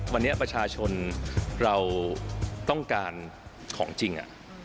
วันนี้ประชาชนเราต้องการของจริง